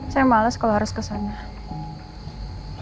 saya males kalau harus ke sana